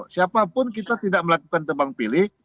siapapun kita tidak melakukan tebang pilih